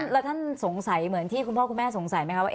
แล้วท่านสงสัยเหมือนที่คุณพ่อคุณแม่สงสัยไหมคะว่า